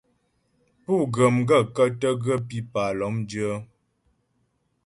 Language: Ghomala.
Pú ghə̀ gaə̂kə́ tə ghə́ pípà lɔ́mdyə́ ?